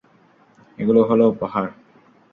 এগুলো হলো উপহার।